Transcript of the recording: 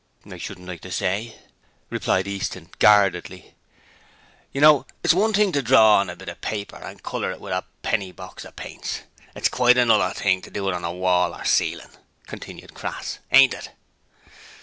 'Shouldn't like to say,' replied Easton guardedly. 'You know it's one thing to draw on a bit of paper and colour it with a penny box of paints, and quite another thing to do it on a wall or ceiling,' continued Crass. 'Ain't it?'